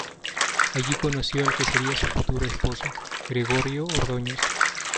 Allí conoció al que sería su futuro esposo, Gregorio Ordóñez.